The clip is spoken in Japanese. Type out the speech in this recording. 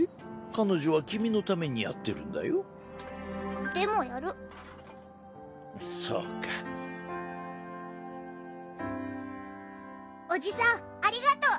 彼女は君のためにやってるんだよでもやるそうかおじさんありがとう。